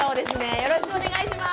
よろしくお願いします。